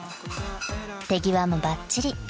［手際もばっちり］